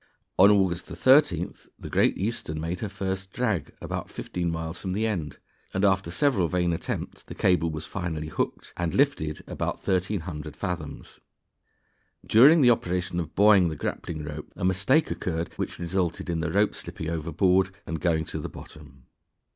On August 13th the Great Eastern made her first drag, about fifteen miles from the end, and, after several vain attempts, the cable was finally hooked and lifted about 1,300 fathoms. During the operation of buoying the grappling rope, a mistake occurred which resulted in the rope slipping overboard and going to the bottom.